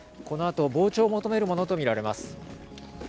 このあと傍聴を求めるものとみられます。